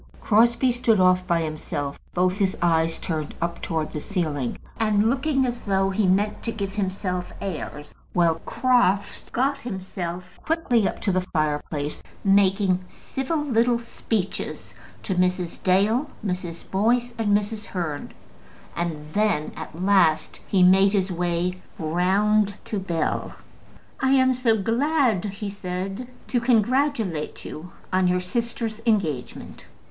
Crosbie stood off by himself, both his eyes turned up towards the ceiling, and looking as though he meant to give himself airs; while Crofts got himself quickly up to the fireplace, making civil little speeches to Mrs. Dale, Mrs. Boyce, and Mrs. Hearn. And then at last he made his way round to Bell. "I am so glad," he said, "to congratulate you on your sister's engagement."